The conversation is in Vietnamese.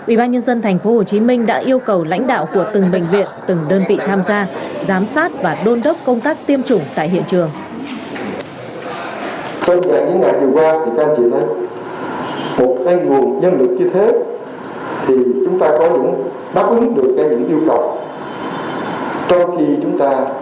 ubnd tp hcm đã yêu cầu lãnh đạo của từng bệnh viện từng đơn vị tham gia giám sát và đôn đốc công tác tiêm chủng tại hiện trường